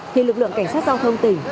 thì lực lượng cảnh sát giao thông tỉnh